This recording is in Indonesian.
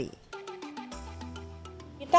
atau yang terus digemari